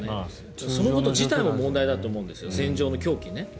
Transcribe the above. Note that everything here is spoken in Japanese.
そのこと自体も問題だと思うんですよ。